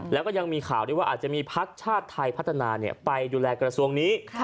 แล้วก็ยังมีข่าวได้ว่าอาจจะมีพักชาติไทยพัฒนาไปดูแลกระทรวงนี้